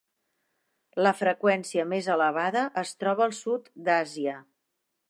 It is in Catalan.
La freqüència més elevada es troba al sud d'Àsia.